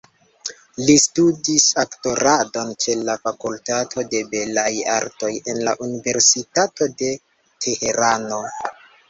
Li studis aktoradon ĉe la fakultato de belaj artoj en la Universitato de Teherano.